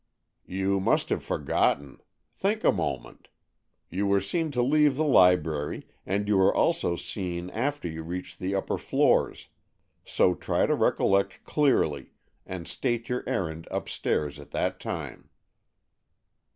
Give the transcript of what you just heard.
"You must have forgotten. Think a moment. You were seen to leave the library, and you were also seen after you reached the upper floors. So try to recollect clearly, and state your errand upstairs at that time."